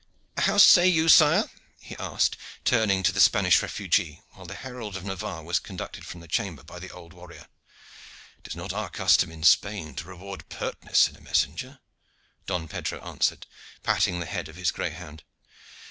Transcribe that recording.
How say you, sire?" he asked, turning to the Spanish refugee, while the herald of Navarre was conducted from the chamber by the old warrior. "It is not our custom in Spain to reward pertness in a messenger," Don Pedro answered, patting the head of his greyhound.